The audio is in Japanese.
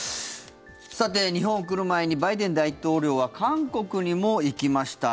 さて、日本に来る前にバイデン大統領は韓国にも行きました。